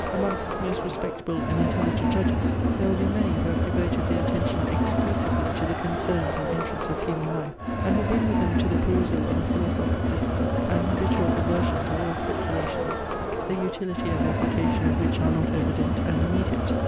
Amongst his most respectable and intelligent judges, there will be many who have devoted their attention exclusively to the concerns and interests of human life, and who bring with them to the perusal of a philosophic system an habitual aversion to all speculations, the utility and application of which are not evident and immediate.